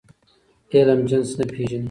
علم جنس نه پېژني.